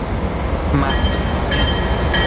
محزونانه